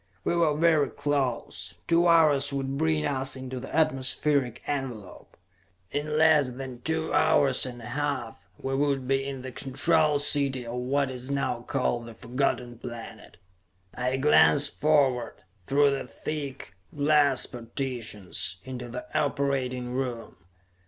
We were very close; two hours would bring us into the atmospheric envelope. In less than two hours and a half, we would be in the Control City of what is now called the Forgotten Planet! I glanced forward, through the thick glass partitions, into the operating room.